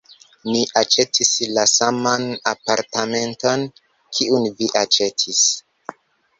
Ni aĉetis la saman apartamenton kiun vi aĉetis.